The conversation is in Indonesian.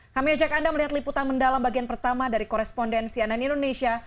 kami ajak anda melihat liputan mendalam bagian pertama dari korespondensi ann indonesia